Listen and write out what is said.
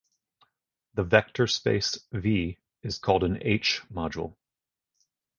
The vector space "V" is called an "H"-module.